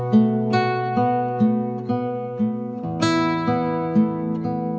penerséh pasang masjid itu tapi yang terrace kita rubahnyabest woi